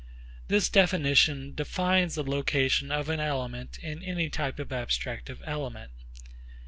This definition defines the location of an element in any type of abstractive element.